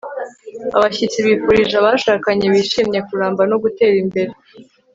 abashyitsi bifurije abashakanye bishimye kuramba no gutera imbere